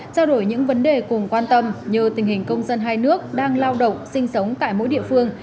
trao đổi những vấn đề cùng quan tâm như tình hình công dân hai nước đang lao động sinh sống tại mỗi địa phương